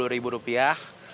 sepuluh ribu rupiah